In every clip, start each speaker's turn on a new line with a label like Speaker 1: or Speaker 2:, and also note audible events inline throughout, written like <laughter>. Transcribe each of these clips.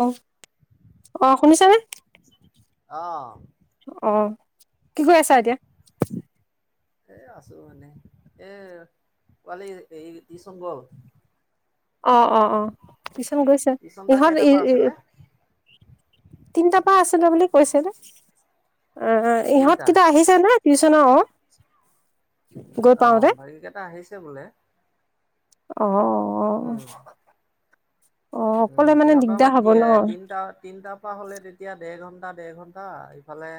Speaker 1: <unintelligible> অ' শুনিছানে?
Speaker 2: অ'।
Speaker 1: অ' কি কৰি আছা এতিয়া?
Speaker 2: এ, আছোঁ মানে, এ, পোৱালি এই টিউচন গ'ল?
Speaker 1: অ', অ', অ', টিউচন গৈছে,
Speaker 2: টিউচন তাৰ
Speaker 1: ইহঁত
Speaker 2: কেইটাৰ
Speaker 1: ই
Speaker 2: পৰা আছিলে?
Speaker 1: তিনটাৰ পৰা আছিলে বুলি কৈছিলে। অ' ইহঁত
Speaker 2: তিনটা
Speaker 1: কিতয়া আহিছে নে টিউচনৰ। গৈ পাওতে
Speaker 2: অ' বাকীকেইটা আহিছে বোলে।
Speaker 1: অহ।
Speaker 2: উম। উম, সিহঁতৰ <unintelligible> তিনিটা, তিনটাৰ পৰা হ'লে তেত <unintelligible> দেৰ ঘণ্টা দেৰ ঘণ্টা ইফালে,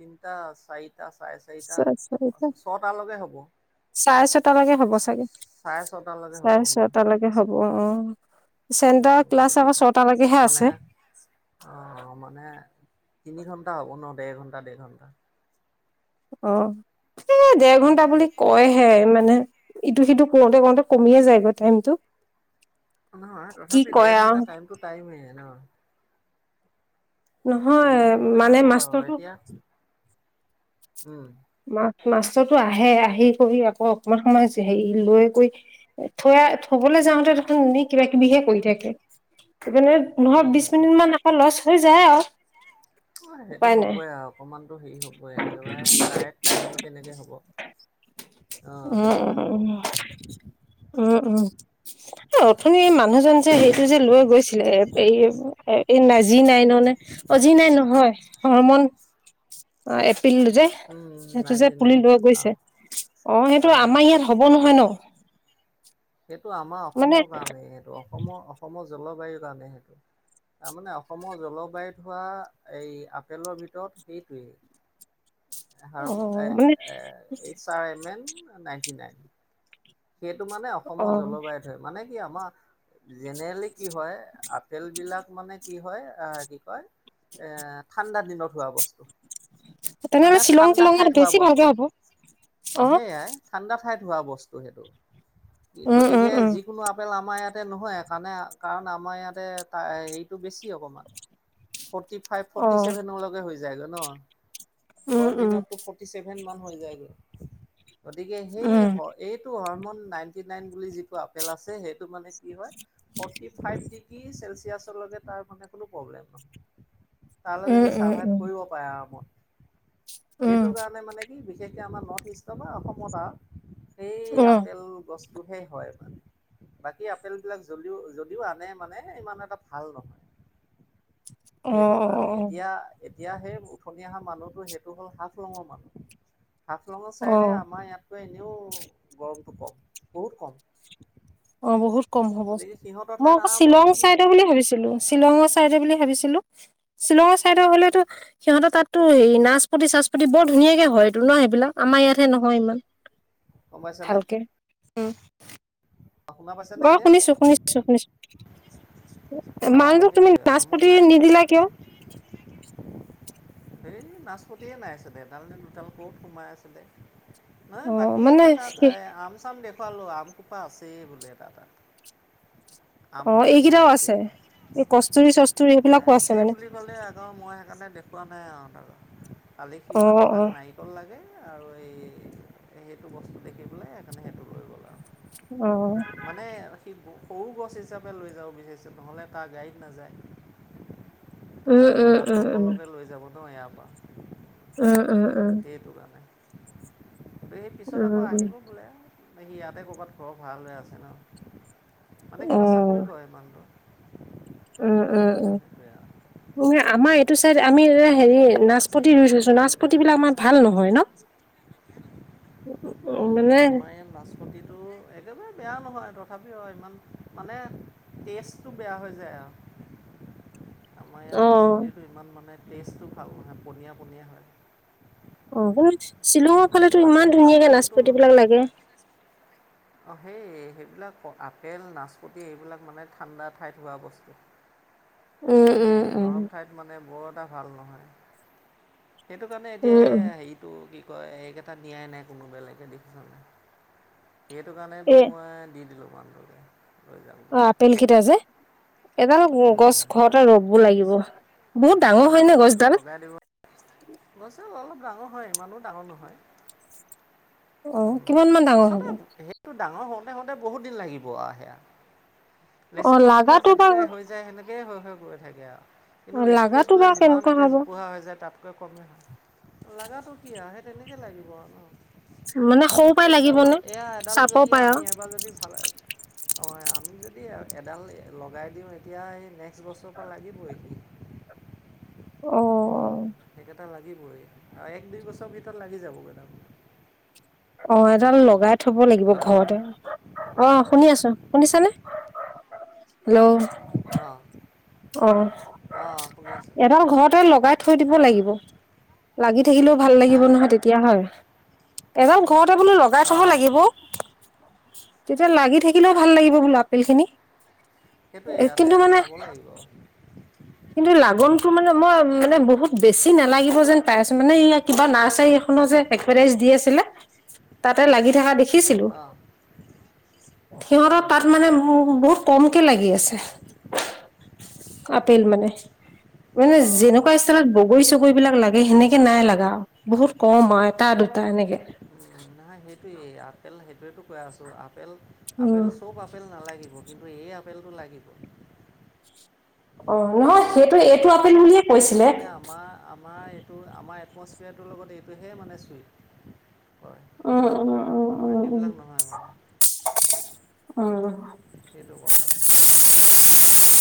Speaker 2: তিনিটা চাৰি টা চাৰে চাৰিটা,
Speaker 1: চাৰে
Speaker 2: ছয়টালৈকে হ'ব।
Speaker 1: চাৰে ছটালৈকে হ'ব চাগে,
Speaker 2: চাৰে ছটালৈকে হ'ব
Speaker 1: চাৰে
Speaker 2: উম,
Speaker 1: ছয়টালৈকে হব অ', চেণ্টাৰ
Speaker 2: উম,
Speaker 1: ক্লাছ
Speaker 2: গতিকে
Speaker 1: ছটা লৈকেহে
Speaker 2: মানে
Speaker 1: আছে।
Speaker 2: অ', মানে, তিনি ঘন্টা হ'ব ন, দেৰ ঘন্টা দেৰ ঘন্টা।
Speaker 1: অ', তে দেৰ ঘন্টা বুলি কয়ে সে মানে, ইটো-সিটো কৰোতে কৰোতে কমিয়ে যায়গৈ টাইমতটো।
Speaker 2: নহয় তথাপি দেৰ
Speaker 1: আৰু
Speaker 2: ঘন্টা টাইমটো টাইমেই ন।
Speaker 1: নহয়
Speaker 2: গতিকে সেইমতে
Speaker 1: মানে
Speaker 2: হ'ব আৰু
Speaker 1: মাষ্টৰটো
Speaker 2: এতিয়া, উম।
Speaker 1: মাছ-মাছতো আহে আহি কৰি আকৌ অকণমান সময় হেৰি লৈ কৈ, থৈ থবলৈ যাওঁতে ত' কিবা- কিবিহে কৰি থাকে। সহকাৰে
Speaker 2: উম
Speaker 1: নহয় বিশ
Speaker 2: উম উম
Speaker 1: মিনিট মান আকৌ লচ হৈ যায় আৰু।
Speaker 2: অ সেইটো
Speaker 1: উপায় নাই
Speaker 2: হ'বই আৰু অকণমানতো হেৰি হ'বই একেবাৰে কাৰেক্ট টাইমটো কেনেকৈ হ'ব, অঁ', সেনেকুৱা
Speaker 1: উম
Speaker 2: হ'ব।
Speaker 1: উম উম, উম, অথন মানুহ জন যে সেইটো যে লৈ গৈছিলে এই এ নাই যি নাই ন নে, অ', যি নাই নহয় হৰ মন অ', এপিলটো যে।
Speaker 2: উম
Speaker 1: সেইটো যে
Speaker 2: নাইনটি
Speaker 1: পুলি
Speaker 2: নাইন
Speaker 1: লৈ
Speaker 2: অ
Speaker 1: গৈছে, অ', সেইটো আমাৰ ইয়াত হ'ব নহয় ন?
Speaker 2: সেইটো আমাৰ
Speaker 1: মানে
Speaker 2: অসমৰ কাৰণেই সেইটো অসমৰ -অসমৰ জলবায়ুৰ কাৰণে সেইটো। তাৰমানে অসমৰ জলবায়ুত হোৱা এই আপেলৰ ভিতৰত সেইটোৱেই।
Speaker 1: অ মানে
Speaker 2: H R M N ninety nine. সেইটো মানে
Speaker 1: অ
Speaker 2: অসমৰ জলবায়ুত হয়, মানে কি আমাৰ জেনেৰেলি কি হয় আপেল বিলাক মানে কি হয় আহ', কি কয়! এ ঠাণ্ডা দিনত হোৱা বস্তু। মানে
Speaker 1: তেনেহ'লে শ্বিলং
Speaker 2: ঠাণ্ডা
Speaker 1: শ্বিলঙত
Speaker 2: ঠাইত হোৱা
Speaker 1: বেছি ভালকে
Speaker 2: বস্তু,
Speaker 1: হ'ব
Speaker 2: অ', সেইয়াই। ঠাণ্ডা ঠাইত হোৱা বস্তু সেইটো,
Speaker 1: উম, উম,
Speaker 2: গতিকে
Speaker 1: উম,
Speaker 2: যিকোনো আপেল আমাৰ ইয়াত ততে নহয় কাৰণে কাৰণ আমাৰ ইয়াতে ত' হেৰিটো বেছি অকমান। ফৰ্টি ফাইভ ফৰ্টি
Speaker 1: অ',
Speaker 2: চেভেনলৈকে হৈ যায়গৈ ন!
Speaker 1: উম,
Speaker 2: গৰম
Speaker 1: উম,
Speaker 2: দিনত ফিফটি ছেভেন মান হৈ যায়গৈ, গতিকে সেই
Speaker 1: উম,
Speaker 2: হয় এইটো হৰমন নাইনটি নাইন বুলি যিটো আপেল আছে, সেইটো মানে কি হয়! ফৰ্টি ফাইভ ডিগ্ৰী চেলচিয়াছৰলৈকে তাৰ মানে কোনো প্ৰব্লেম। তালকে
Speaker 1: উম,
Speaker 2: সি
Speaker 1: উম,
Speaker 2: চাৰভাইভ কৰিব পাৰে আৰামত।
Speaker 1: উম,
Speaker 2: সেইটো কাৰণে মানে কি বিশেষকে আমাৰ নৰ্থ ইষ্টৰ বা অসমত আৰু। সেই
Speaker 1: উম,
Speaker 2: আপেল গছ তোহে হয় মানে, বাকী আপেল বিলাক যদিও- যদিও আনে মানে ইমান এটা ভাল নহয়।
Speaker 1: <inaudible>
Speaker 2: সেইটো কাৰণে
Speaker 1: অ',
Speaker 2: এতিয়া -এতিয়া সেই উঠনি অহা মানুহটো সেইটো হ'ল হাফলঙৰ মানুহ। হাফলঙৰ
Speaker 1: অ',
Speaker 2: ছাইডে
Speaker 1: অ',
Speaker 2: আমাৰ ইয়াতকৈ এনেও, গৰমটো কম বহুত কম।
Speaker 1: অ', বহুত কম হ'ব,
Speaker 2: গতিকে সিহঁতৰ
Speaker 1: মই
Speaker 2: ঠাইত
Speaker 1: আকৌ
Speaker 2: আৰামত
Speaker 1: শ্বিলং
Speaker 2: হ'ব
Speaker 1: চাইদ বুলি ভাবিছিলো শ্বিলঙৰ চাইডে বুলি ভাবিছিলো, শ্বিলঙৰ চাইদে হলেতো সিহঁতেৰ তাতো হে নাচপতি -চাচপতি বৰ ধুনীয়াকে হয় এইটো ন সেইবিলাক? আমাৰ ইয়াতহে নহয় ইমান
Speaker 2: গম পাইছানে
Speaker 1: ভালকে। উম।
Speaker 2: শুনা পাইছানে
Speaker 1: অ',
Speaker 2: এতিয়া
Speaker 1: শুনিছো- শুনিছো -শুনিছো।
Speaker 2: অঁ
Speaker 1: মানুহক তুমি
Speaker 2: সেইটোৱে হৰমন
Speaker 1: নাচপতি
Speaker 2: নাই
Speaker 1: নিদিলা কিয়?
Speaker 2: এই নাচপতিয়ে নাই আছিলে তাৰমানে দুটাল ক'ত সোমাই আছিলে। নহ
Speaker 1: অ',
Speaker 2: বাকী
Speaker 1: মানে
Speaker 2: এনে তাক
Speaker 1: সে
Speaker 2: এ আম চাম দেখুৱালো আম। এসোপা আছেই বোলে তাৰ তাত আম
Speaker 1: অ',
Speaker 2: বোলে ধেৰ
Speaker 1: এইকেইটাও আছে,
Speaker 2: আছেই,
Speaker 1: এই কস্তুৰি চস্তুৰি
Speaker 2: মই
Speaker 1: সেইবিলাকো
Speaker 2: আছে
Speaker 1: মানে,
Speaker 2: বুলি কলে আকৌ মই সেইকাৰণে দেখুওৱা নাই আৰু তাৰপৰা, কালি সি মানে
Speaker 1: অ',
Speaker 2: তাক
Speaker 1: অ',
Speaker 2: না ৰিকল লাগে আৰু এই সেইটো বস্তু দেখি পেলাই সেইকাৰণে সেইটো লৈ গ'ল আৰু।
Speaker 1: অহ
Speaker 2: মানে সি সৰু গছ হিচাপে লৈ যাব বিচাৰিছে নহ'লে তাৰ গাড়ীত নাযায়।
Speaker 1: উম,
Speaker 2: আৰু
Speaker 1: উম,
Speaker 2: হাফ
Speaker 1: উম,
Speaker 2: লঙৰ লৈকে লৈ যাব ন ইয়াৰ পৰা।
Speaker 1: উম উম উম।
Speaker 2: সেইটো কাৰণে সেই পিছত
Speaker 1: উম,
Speaker 2: আকৌ
Speaker 1: উম,
Speaker 2: আহিব বোলে। সি ইয়াতে ক'ৰবাত ঘৰ ভাড়া লৈ আছে ন, মানে কিবা
Speaker 1: অ',
Speaker 2: চাকৰি কৰে মানুহটো।
Speaker 1: উম উম উম।
Speaker 2: এয়া
Speaker 1: এ আমাৰ এইটো চাইড আমি এ হেৰি নাচপতি ৰুই থৈছো নাচ পতিবিলাক আমাৰ ভাল নহয় ন। উম মানে
Speaker 2: আমাৰ নাচপতিটো একেবাৰে বেয়া নহয় তথাপিও ইমান মানে টেষ্টটো বেয়া হৈ যায় আৰু। আমাৰ ইয়াত
Speaker 1: অ',
Speaker 2: নাচপতিটো ইমান মানে টেষ্টটো ভাল নহয় পনীয়া পনীয়া হয়।
Speaker 1: উম শ্বিলঙৰ ফালেতো
Speaker 2: কিন্তু আপেল
Speaker 1: ইমান ধুনীয়াকে
Speaker 2: আপেলটোতো
Speaker 1: নাচপতি বিলাক লাগে।
Speaker 2: অঁ সেই সেইবিলাক আপেল নাচপতি এইবিলাক মানে ঠাণ্ডা ঠাইত হোৱা বস্তু।
Speaker 1: উম,
Speaker 2: সে
Speaker 1: উম, উম,
Speaker 2: গৰম ঠাইত মানে বৰ এটা ভাল নহয়। সেইটো কাৰণে
Speaker 1: উম,
Speaker 2: এতিয়া সে
Speaker 1: উম,
Speaker 2: হেৰিটো কি কয় সেইকেইটা নিয়াই নাই কোনো বেলেগে দেখিছ নাই। সেইটো কাৰণেতো
Speaker 1: এ
Speaker 2: মই দি দিলো মানুহজন লৈ যাওক
Speaker 1: অ আপেল কেইটা যে। এডাল গছ ঘৰতে ৰুব লাগিব বহুত ডাঙৰ হয় না গছডাল?
Speaker 2: গছ ডাল অলপ ডাঙৰ হয় ইমানো ডাঙৰ নহয়।
Speaker 1: অ',
Speaker 2: উম
Speaker 1: কিমান মান ডাঙৰ
Speaker 2: পিছতে
Speaker 1: হ'ব?
Speaker 2: সে ইটো ডাঙৰ হৌতে হৌতে বহুত দিন লাগিব আও সেয়া লেচু
Speaker 1: অ',
Speaker 2: গছ বিলাক
Speaker 1: লাগাটো বা
Speaker 2: যেনেকে হৈ যায় সেনেকেই হৈ হৈ গৈ থাকে আৰু। কিন্তু লেচু
Speaker 1: লাগাটো বা
Speaker 2: গছবিলাক যিমান
Speaker 1: কেনেকুৱা
Speaker 2: একে
Speaker 1: হ'ব?
Speaker 2: জোপোহা হৈ যায় তাতকৈ কমেই হয়। লগাটো কি আৰু সেই তেনেকৈ লাগিব আৰু
Speaker 1: মানে সৰু পৰাই
Speaker 2: ন।
Speaker 1: লাগিব
Speaker 2: এডাল
Speaker 1: নে
Speaker 2: এয়া এডাল
Speaker 1: চাপৰ
Speaker 2: যদি
Speaker 1: পৰাই
Speaker 2: আমি
Speaker 1: আৰু
Speaker 2: এবাৰ যদি চালে অঁ আমি যদি এডাল লগাই দিওঁ এতিয়া এই নেক্সট বছৰৰ পৰা লাগিবই।
Speaker 1: অ
Speaker 2: উম সেইকেইটা লাগিবই আৰু এক দুই বছৰ ভিতৰত লাগি যাব গৈ তাৰমানে।
Speaker 1: অঁ এডাল লগাই থব লাগিব
Speaker 2: হেল্ল' অঁ
Speaker 1: ঘৰতে। অঁ শুনি আছো। শুনিছা নে?
Speaker 2: অঁহ।
Speaker 1: অঁহ এডাল ঘৰতে লগাই থৈ দিব লাগিব। লাগি থাকিলেও ভাল
Speaker 2: হা
Speaker 1: লাগিব
Speaker 2: হা
Speaker 1: নহয় তেতিয়া হয়, এডাল ঘৰতে বোলো লগাই থব
Speaker 2: অঁ
Speaker 1: লাগিব। তেতিয়া লাগি থাকিলেও ভাল লাগিব বোলো আপেল খিনি।
Speaker 2: সেইটোৱে ইয়াতে
Speaker 1: কিন্তু মানে
Speaker 2: চাব লাগিব
Speaker 1: কিন্তু লাগনটো মানে মই মানে বহুত বেছি নালাগিব যেন পাই আছো মানে ইয়াৰ কিবা নাৰ্চাৰী এখনৰ যে একভেটাইজ দি আছিলে তাতে লাগি থকা দে দেখিছিলো
Speaker 2: অঁ
Speaker 1: সিহঁতৰ তাত মানে ম বহুত কমকে লাগি আছে। তেইল মানে মানে
Speaker 2: অঁ
Speaker 1: যেনেকুৱা। আগত বগৰী চগৰী বিলাক লাগে সেনেকে নাই লাগা বহুত কম হয় আৰু এটা দুটা এনেকে।
Speaker 2: নহয় সেইটোৱেই আপেল সেইটোৱেতো কৈ আছোঁ আপেল
Speaker 1: উম
Speaker 2: আপেল চব আপেল। আপেল নালাগিব কিন্তু এই আপেলটো লাগিব।
Speaker 1: অ নহয়
Speaker 2: সেইটোৱেতো
Speaker 1: সেইটো
Speaker 2: কৈ
Speaker 1: এইটো
Speaker 2: আছোঁ
Speaker 1: আপেল বুলিয়ে
Speaker 2: এইটো
Speaker 1: কৈছিলে।
Speaker 2: মানে আমাৰ আমাৰ এইটো আমাৰ এটমছফিয়াৰটোৰ লগত এইটোহে মানে চুইট
Speaker 1: উম উম উম উম উম
Speaker 2: বাকীবিলাক নহয় মানে
Speaker 1: উম
Speaker 2: সেইটো কথাটো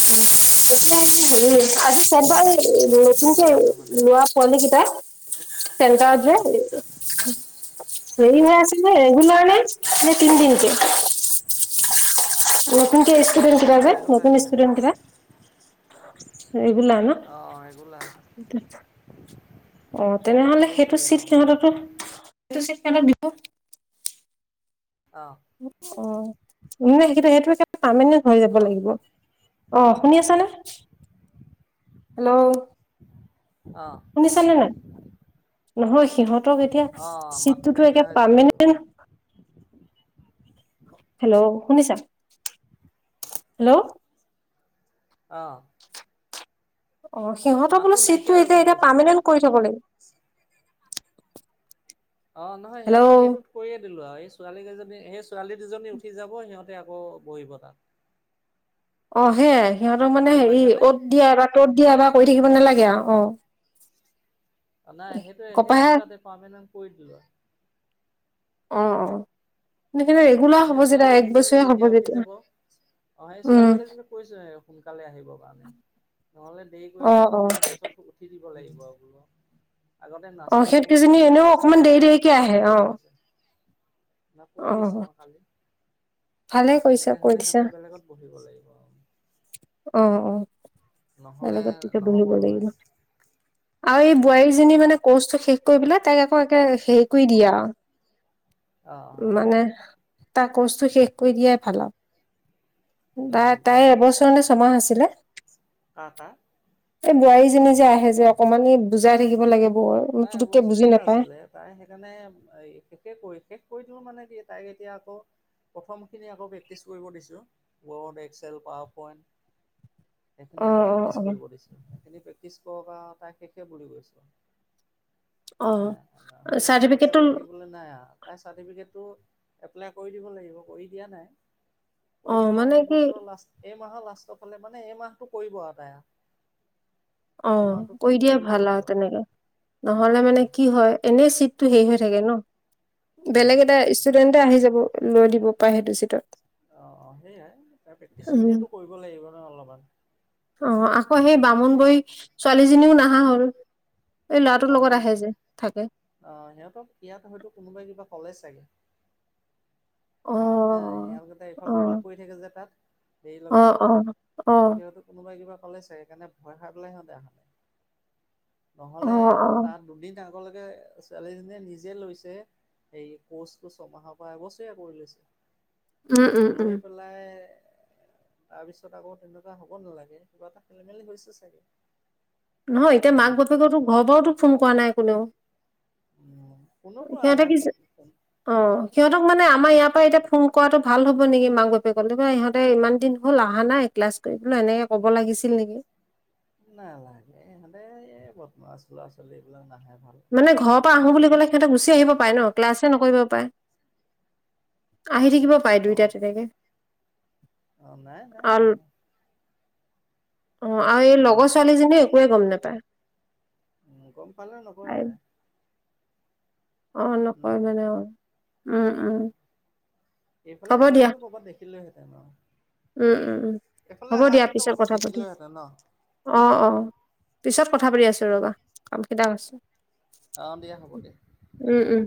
Speaker 1: এতিয়া এই হেৰি আজি চেন্টাৰলৈ
Speaker 2: কি কৰি
Speaker 1: নতুনকে
Speaker 2: আছা মানে
Speaker 1: লোৱা পোৱালিকিতা চেন্টাৰত যে
Speaker 2: খপাই আছে
Speaker 1: হেৰি হৈ আছে নে ৰেগুলাৰ নে
Speaker 2: অঁ
Speaker 1: নে তিনদিনকে
Speaker 2: <unintelligible>
Speaker 1: নতুন কে ষ্টুডেন্ট কিটা যে নতুন ষ্টুডেন্ট কিটা
Speaker 2: অ
Speaker 1: ন
Speaker 2: ৰেগুলাৰ
Speaker 1: অ
Speaker 2: সিহঁতে
Speaker 1: তেনেহলে সেইটো
Speaker 2: এবছৰীয়া
Speaker 1: চিট
Speaker 2: অঁ
Speaker 1: সিহঁতৰতো তু চিট সিহঁতক দিব
Speaker 2: অ
Speaker 1: অ নে সেইকেইটা সেইটো একে পাৰমেনেন্ট হৈ যাব
Speaker 2: হেল্ল'
Speaker 1: লাগিব অ শুনি আছানে হেল্ল'
Speaker 2: অঁ
Speaker 1: শুনিছানে নাই নহয় সিহঁতক এতিয়া
Speaker 2: অঁ মাতটো
Speaker 1: চিটটোতো একে
Speaker 2: নাইকিয়া হৈ যায় মাজে
Speaker 1: পাৰ্মেনেণ্ট
Speaker 2: মাজে
Speaker 1: হেল্ল' শুনিছা হেল্ল'
Speaker 2: অ
Speaker 1: অঁ সিহঁতৰ
Speaker 2: মাতটো
Speaker 1: বোলো
Speaker 2: নাইকিয়া
Speaker 1: চিটটো
Speaker 2: হৈ
Speaker 1: এতিয়া
Speaker 2: গ'ল
Speaker 1: এতিয়া
Speaker 2: গৈছে
Speaker 1: পাৰ্মেনেণ্ট কৰি থ'ব লাগিব
Speaker 2: অঁ নহয় সিহঁতৰ
Speaker 1: হেল্ল'
Speaker 2: সেইটো কৰিয়ে দিলো আৰু এই ছোৱালী কেইজনী সেই ছোৱালী দুজনী উঠি যাব সিহঁতে আকৌ বহিব তাত
Speaker 1: অ সেয়াই সিহঁতক মানে
Speaker 2: গম
Speaker 1: হেৰি
Speaker 2: পাইছানে
Speaker 1: অত দিয়া এবাৰ ত'ত দিয়া এবাৰ কৰি থাকিব নালাগে আৰু অ
Speaker 2: নাই সেইটোৱেই সেই
Speaker 1: কপাহে
Speaker 2: দুটাতে পাৰৰ্মেনেন্ট কৰি দিলো আ
Speaker 1: অ অ
Speaker 2: সে
Speaker 1: সেইকাৰণে ৰেগুলাৰ হ'ব
Speaker 2: সেই
Speaker 1: যেতিয়া
Speaker 2: ছোৱালী
Speaker 1: এক
Speaker 2: দুজনী
Speaker 1: বছৰীয়া হ'ব
Speaker 2: যেতিয়া উঠি যাব অ সেই
Speaker 1: উম
Speaker 2: ছোৱালী কেইজনীক কৈছোৱেই সোনকালে আহিবৰ কাৰণে নহ'লে দেৰি
Speaker 1: অ
Speaker 2: কৰিলে
Speaker 1: অ
Speaker 2: আকৌ বোলো পিছত উঠি দিব লাগিব আৰু বোলো আগতে
Speaker 1: অ সিহঁত
Speaker 2: নাছিলে বোলো
Speaker 1: কেইজনী
Speaker 2: সুবিধা
Speaker 1: এনেও অকমান
Speaker 2: পাইছিলা
Speaker 1: দেৰি
Speaker 2: এতিয়া
Speaker 1: দেৰিকে
Speaker 2: নাপাবা
Speaker 1: আহে
Speaker 2: বুলি
Speaker 1: অ
Speaker 2: কৈছো কৈ দিছো
Speaker 1: অ',
Speaker 2: মই কালি
Speaker 1: ভালে
Speaker 2: আৰু
Speaker 1: কৰিছা
Speaker 2: তেনেকে
Speaker 1: কৈ
Speaker 2: হ'লে
Speaker 1: দিছা
Speaker 2: সিহঁতে বেলেগত বহিব লাগিব আৰু
Speaker 1: অ অ
Speaker 2: নহ'লে
Speaker 1: বেলেগত তেতিয়া
Speaker 2: নহ'ব
Speaker 1: বহিব
Speaker 2: নহয়
Speaker 1: লাগিব আৰু এই বোৱাৰীজনী মানে কৰ্চটো শেষ কৰি পেলাই তাইক আকৌ একে হেৰি কৰি দিয়া আৰু
Speaker 2: অ অ
Speaker 1: মানে তাৰ কৰ্চটো শেষ কৰি দিয়াই ভাল আৰু
Speaker 2: উম
Speaker 1: তাই
Speaker 2: উম উম
Speaker 1: তাইৰ এবছৰ নে ছমাহ আছিলে
Speaker 2: কাৰ কাৰ
Speaker 1: এই বোৱাৰীজনী যে আহে যে অকমান বুজাই থাকিব লাগে বৰ
Speaker 2: তাই
Speaker 1: পুতুককে বুজি
Speaker 2: এবছৰীয়া
Speaker 1: নাপায়
Speaker 2: আছিলে তাই সেইকাৰণে শেষে কৰি শেষ কৰি দিও মানে কি তাইক এতিয়া আকৌ প্ৰথমখিনি আকৌ প্ৰেক্টিচ কৰিব দিছোঁ ৱৰ্ড এক্সেল পাৱাৰ পইণ্ট সেইখিনি আকৌ
Speaker 1: অ', অ',
Speaker 2: প্ৰেক্টিছ
Speaker 1: অ',
Speaker 2: কৰিব দিছোঁ সেইখিনি প্ৰেক্টিছ কৰক আৰু তাইৰ শেষে বুলি কৈছোঁ
Speaker 1: অ',
Speaker 2: এ নহ'লে দীঘলীয়া
Speaker 1: চাৰ্টিফিকেটটো
Speaker 2: কৰি থাকিবলৈ নাই আৰু তাই চাৰ্টিফিকেটটো এপ্লাই কৰি দিব লাগিব কৰি দিয়া নাই কৰি
Speaker 1: অ',
Speaker 2: দিম আ
Speaker 1: মানে কি
Speaker 2: এইবছৰৰ লাষ্ট এই মাহৰ লাষ্টৰ ফালে মানে এই মাহটো কৰিব আৰু তাই
Speaker 1: অ অ
Speaker 2: এই
Speaker 1: অ,
Speaker 2: মাহটোত
Speaker 1: কৰি
Speaker 2: শেষ
Speaker 1: দিয়াই
Speaker 2: দিব
Speaker 1: ভাল
Speaker 2: লাগিব।
Speaker 1: আৰু তেনেকে। নহলে মানে কি হয় এনে চিটটো হেৰি হৈ থাকে ন। বেলেগ এটা ষ্টুডেন্টে আহি যাব লৈ দিব পাৰে সেইটো চিটত।
Speaker 2: সি, অ অ, সেইয়াই তাই
Speaker 1: উম,
Speaker 2: প্ৰেক্টিচখিনিয়েতো কৰিব লাগিব নহয় অলপমান।
Speaker 1: অ অ অ, আকৌ সেই
Speaker 2: গতিকে
Speaker 1: বামুণবড়িৰ ই সি ছোৱালীজনীও নাহা হ'ল এই ল'ৰাটোৰ লগত আহে যে থাকে।
Speaker 2: অ অ অ, সিহঁতক ইয়াত হয়তো কোনোবাই কিবা কলে চাগে।
Speaker 1: অ',
Speaker 2: হয়, ইহঁত কেইটা ইফাল-সিফাল
Speaker 1: অ',
Speaker 2: কৰি থাকে যে তাত। দেৰিলৈকে,
Speaker 1: অ', অ', অ',
Speaker 2: গতিকে হয়তো কোনোবাই কিবা ক'লে চাগে সেইকাৰণে ভয় খাই পেলাই সিহঁতে আহা নাই। নহ'লে
Speaker 1: অ', অ',
Speaker 2: তাৰ দুদিন আগলৈকে ছোৱালীজনীয়ে নিজে লৈছে। সেই কোৰ্চটো ছমাহৰ পৰা এবছৰীয়া কৰি লৈছে। লৈ
Speaker 1: উম,
Speaker 2: পেলাই
Speaker 1: উম,
Speaker 2: এ
Speaker 1: উম,
Speaker 2: এ এ এ এ এ এ এ এ তাৰপিছত আকৌ তেনেকুৱা হ'ব নালাগে কিবা এটা খেলি-মেলি হৈছে চাগে।
Speaker 1: নহয় এতিয়া
Speaker 2: উম
Speaker 1: মাক-বাপেকতো ঘৰৰ পৰাতো ফোন কৰা নাই কোনেও।
Speaker 2: উম কোনো
Speaker 1: ওই
Speaker 2: কৰা
Speaker 1: সিহঁতে
Speaker 2: নাই
Speaker 1: কিছে। অ অ অ অ, সিহঁতক মানে আমাৰ ইয়াৰ পৰা এতিয়া ফোন কৰাটো ভাল হ'ব নেকি মাক-বাপে কলেবা ইহঁতে ইমান দিন হ'ল আহা নাই। ক্লাছ কৰিবো এনেকে ক'ব লাগিছিল নেকি?
Speaker 2: নালাগে ইহঁতে এই বৰ্তমান লৰা-ছোৱালী এইবিলাক নাহে ভাল।
Speaker 1: মানে ঘৰৰ পৰা আহো বুলি ক'লে সিহঁতে গুচি আহিব পায় ন ক্লাছে নকৰিব পাৰে। আহি থাকিব পাই
Speaker 2: অ',
Speaker 1: দুইটাত তেনেকে
Speaker 2: অ', নাই নাই
Speaker 1: আল
Speaker 2: নাহে
Speaker 1: অ অ, আৰু এই
Speaker 2: উম,
Speaker 1: লগৰ ছোৱালীজনীয়ে একোৱে গম নেপায়।
Speaker 2: উম উ উ, গম পালেও নকয় তাই।
Speaker 1: অ
Speaker 2: উম,
Speaker 1: নকয় মানে আৰু উম উম।
Speaker 2: এইফালে
Speaker 1: হ'ব দিয়া
Speaker 2: আহিলেতো কৰবাত দেখিলোহেঁতেন আৰু
Speaker 1: উম উম উম
Speaker 2: এইফালে আহাহেতেনতো কৰ'বাত দেখিলেওহেতেন ন।
Speaker 1: অঁ অ অ অ, পিছত কথা পাতি আছো ৰবা কাম কেইটা আছে।
Speaker 2: কাম দিয়া হ'ব দিয়া।
Speaker 1: উম উম।